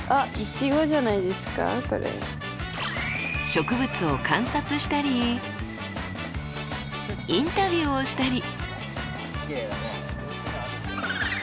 植物を観察したりインタビューをしたり。